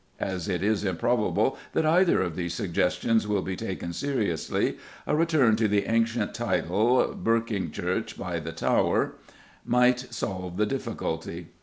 As it is improbable that either of these suggestions will be taken seriously, a return to the ancient title, "Berkyngechurch by the Tower," might solve the difficulty.